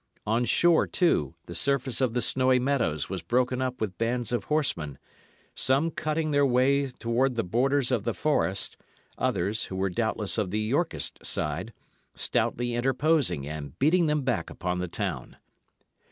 On shore, too, the surface of the snowy meadows was broken up with bands of horsemen, some cutting their way towards the borders of the forest, others, who were doubtless of the Yorkist side, stoutly interposing and beating them back upon the town.